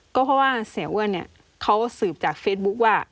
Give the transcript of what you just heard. ก็เพราะว่าเสียอ้วนเนี่ยเขาสืบจากเฟซบุ๊คว่า